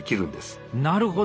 なるほど。